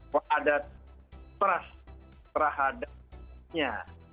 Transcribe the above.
wah ada perasaan perahadanya